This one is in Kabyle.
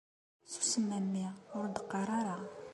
Susem a mmi ur d-qqar ara.